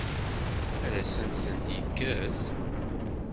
Ad asent-tent-yekkes?